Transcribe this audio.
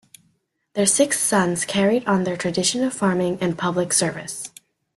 Their six sons carried on their tradition of farming and public service.